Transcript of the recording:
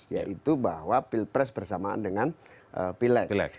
yaitu bahwa pilpres bersamaan dengan pileg